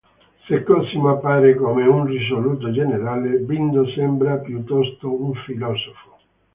Se Cosimo appare come un risoluto generale, Bindo sembra piuttosto un filosofo.